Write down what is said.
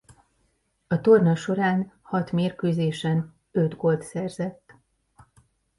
A torna során hat mérkőzésen öt gólt szerzett.